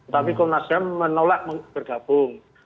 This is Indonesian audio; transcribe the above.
tapi komnasiam menolak bergabung